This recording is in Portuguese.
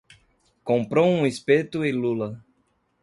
Comprou um espeto e lula